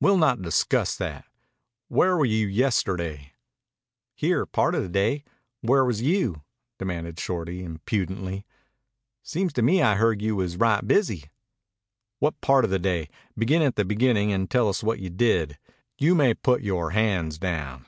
"We'll not discuss that. Where were you yesterday?" "Here, part o' the day. Where was you?" demanded Shorty impudently. "Seems to me I heard you was right busy." "What part of the day? Begin at the beginnin' and tell us what you did. You may put yore hands down."